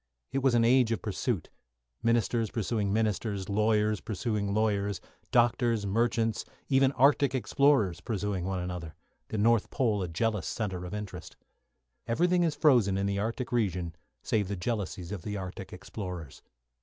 It was an age of pursuit; ministers pursuing ministers, lawyers pursuing lawyers, doctors, merchants, even Arctic explorers pursuing one another, the North Pole a jealous centre of interest. Everything is frozen in the Arctic region save the jealousies of the Arctic explorers.